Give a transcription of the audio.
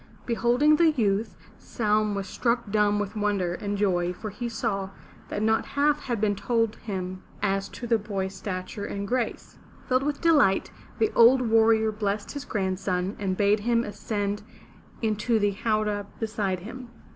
Beholding the youth, Saum was struck dumb with wonder and joy, for he saw that not half had been told him as to the boy's stature and grace. Filled with delight, the old warrior blessed his grandson and bade him ascend into the howdah beside him.